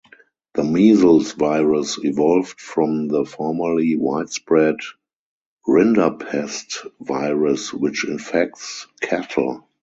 The measles virus evolved from the formerly widespread rinderpest virus, which infects cattle.